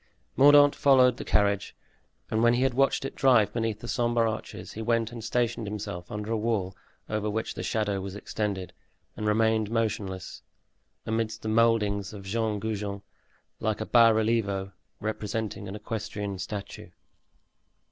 Mordaunt followed the carriage, and when he had watched it drive beneath the sombre arches he went and stationed himself under a wall over which the shadow was extended, and remained motionless, amidst the moldings of Jean Goujon, like a bas relievo, representing an equestrian statue.